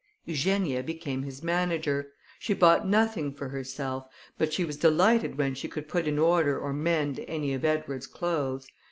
Eugenia became his manager; she bought nothing for herself, but she was delighted when she could put in order or mend any of Edward's clothes.